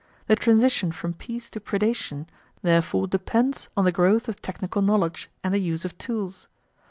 The transition from peace to predation therefore depends on the growth of technical knowledge and the use of tools.